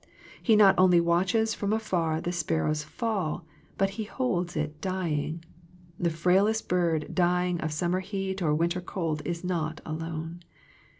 He not only watches from afar the sparrow's fall, but He holds it dying. The frailest bird dying of summer heat or winter cold is not alone.